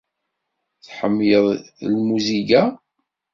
Tḥemmleḍ lmuziga?